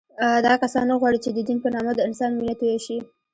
دا کسان نه غواړي چې د دین په نامه د انسان وینه تویه شي